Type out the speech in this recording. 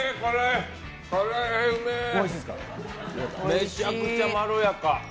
めちゃくちゃまろやか。